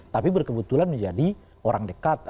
tapi berkebetulan menjadi orang dekat